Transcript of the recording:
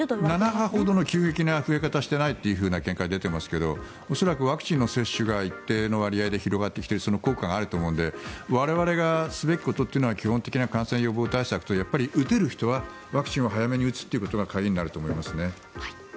７波ほどの急激な増え方はしていないという見解が出ていますが恐らくワクチンの接種が一定の割合で広がってきてその効果があると思うので我々がすべきことというのは基本的な感染予防対策と打てる人はワクチンを早めに打つことが鍵になると思いますね。